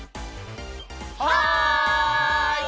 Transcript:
はい！